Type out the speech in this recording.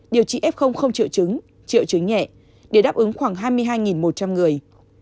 điều trị f không triệu chứng triệu chứng nhẹ để đáp ứng khoảng hai mươi hai một trăm linh người